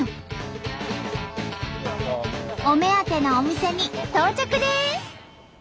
お目当てのお店に到着です！